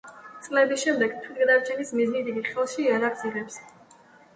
წლების შემდეგ, თვითგადარჩენის მიზნით, იგი ხელში იარაღს იღებს.